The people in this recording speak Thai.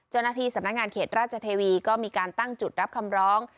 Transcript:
เจ้าหน้าที่สำนักงานเขตราชเทวีก็มีการตั้งจุดรับคำร้อง